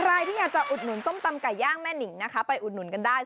ใครที่อยากจะอุดหนุนส้มตำไก่ย่างแม่นิงนะคะไปอุดหนุนกันได้